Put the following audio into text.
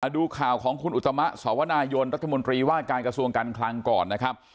ดูข่าวของคุณอุตมะสวนายนรัฐมนตรีว่าการกระทรวงการคลังก่อนนะครับ